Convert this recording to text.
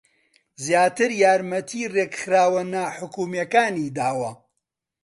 زیاتر یارمەتی ڕێکخراوە ناحوکمییەکانی داوە